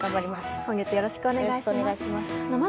今月よろしくお願いします。